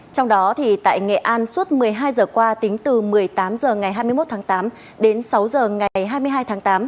trong đó tại nghệ an suốt một mươi hai giờ qua tính từ một mươi tám h ngày hai mươi một tháng tám đến sáu h ngày hai mươi hai tháng tám